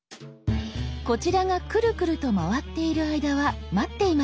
こちらがクルクルと回っている間は待っていましょう。